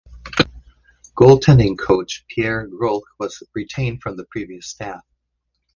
Goaltending coach Pierre Groulx was retained from the previous staff.